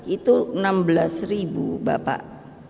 itu enam belas ribu bapak